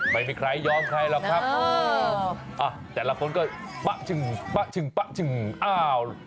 ไม่มีใครยอมใครหรอกครับแต่ละคนก็ปะชึ่งปะชึ่งปะชึ่งอ้าว